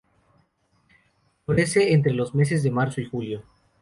Florece entre los meses de marzo y julio.